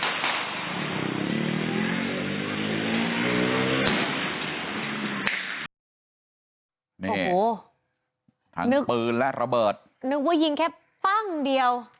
โอ้โหทั้งนึกปืนและระเบิดนึกว่ายิงแค่ปั้งเดียว